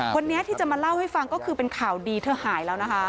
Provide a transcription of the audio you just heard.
วันนี้ที่จะมาเล่าให้ฟังก็คือเป็นข่าวดีเธอหายแล้วนะคะ